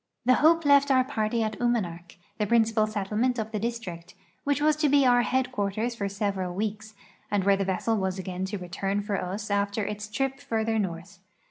The Hope left our party at Unianak, the princijial settlement of the district, which was to be our headquarters for several weeks, and where the vessel was again to return for us after its trip further north.